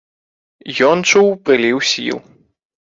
Ён чуў прыліў сіл.